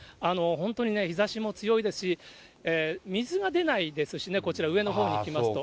本当にね、日ざしも強いですし、水が出ないですしね、こちら、上のほうに来ますと。